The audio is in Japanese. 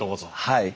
はい。